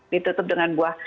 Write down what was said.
ditutup dengan buah